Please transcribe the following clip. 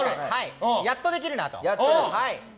やっとできるなと。